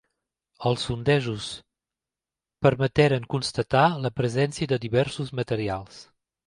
Els sondejos permeteren constatar la presència de diversos materials.